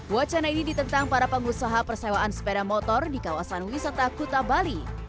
wacana ini ditentang para pengusaha persewaan sepeda motor di kawasan wisata kuta bali